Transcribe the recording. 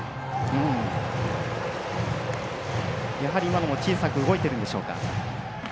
やはり今のも小さく動いてるんでしょうか。